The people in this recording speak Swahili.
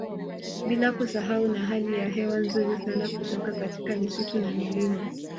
Bila kusahau na hali ya hewa nzuri sana kutoka katika misitu na milima